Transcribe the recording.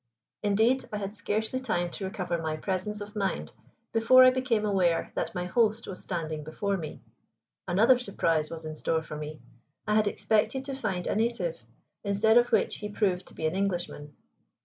Indeed, I had scarcely time to recover my presence of mind before I became aware that my host was standing before me. Another surprise was in store for me. I had expected to find a native, instead of which he proved to be an Englishman.